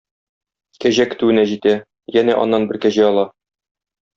Кәҗә көтүенә җитә, янә аннан бер кәҗә ала.